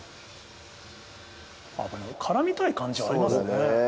絡みたい感じはありますね。